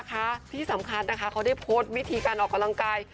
ที่สำคัญนะคะเขาได้โพสต์วิธีการออกกำลังกาย